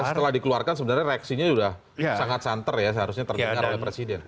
setelah dikeluarkan sebenarnya reaksinya sudah sangat santer ya seharusnya terdengar oleh presiden